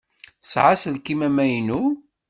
Tesɛa aselkim amaynu?